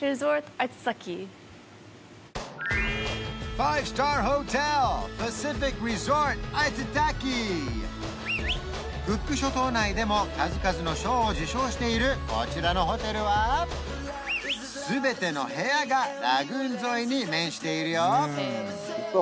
ファイブスターホテルクック諸島内でも数々の賞を受賞しているこちらのホテルは全ての部屋がラグーン沿いに面しているよ